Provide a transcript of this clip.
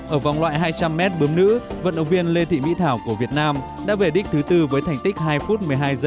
ở vòng loại hai trăm linh m bướm nữ vận động viên lê thị mỹ thảo của việt nam đã về đích thứ bốn với thành tích hai một mươi hai một mươi bốn